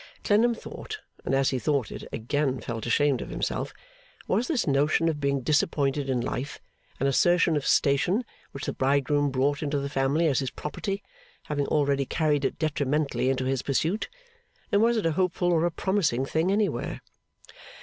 Clennam thought (and as he thought it, again felt ashamed of himself), was this notion of being disappointed in life, an assertion of station which the bridegroom brought into the family as his property, having already carried it detrimentally into his pursuit? And was it a hopeful or a promising thing anywhere?